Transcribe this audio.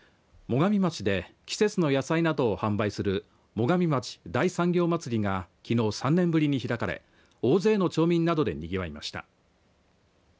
最上町で季節の野菜などを販売する最上町大産業まつりがきのう３年ぶりに開かれ大勢の町民などでにぎわいました。